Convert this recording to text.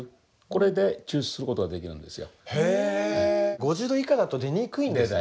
５０℃以下だと出にくいんですね。